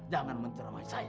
jangan menceramai saya